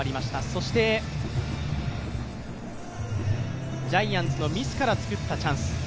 そして、ジャイアンツのミスから作ったチャンス。